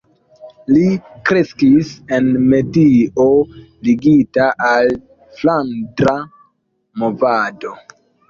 Li kreskis en medio ligita al Flandra Movado.